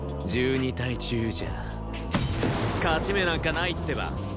１２対１０じゃ勝ち目なんかないってば。